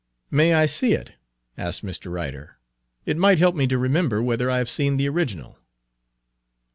"May I see it?" asked Mr. Ryder. "It might help me to remember whether I have seen the original."